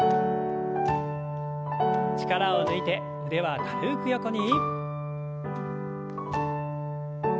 力を抜いて腕は軽く横に。